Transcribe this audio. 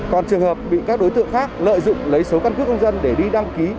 còn trường hợp bị các đối tượng khác lợi dụng lấy số căn cước công dân để đi đăng ký